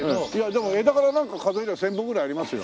でも枝からなんか数えれば千本ぐらいありますよ。